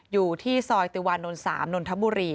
อยู่ที่ซอยติวานนท์๓นนทบุรี